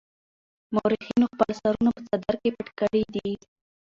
مورخينو خپل سرونه په څادر کې پټ کړي دي.